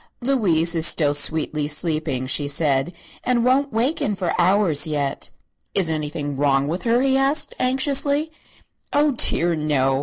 "Louise is still sweetly sleeping," she said, "and won't waken for hours yet." "Is anything wrong with her?" he asked, anxiously. "Oh, dear, no!